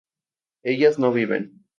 ellas no viven